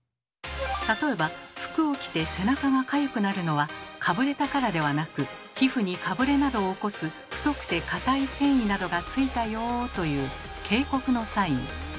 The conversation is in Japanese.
例えば服を着て背中がかゆくなるのはかぶれたからではなく皮膚にかぶれなどを起こす太くて硬い繊維などがついたよという警告のサイン。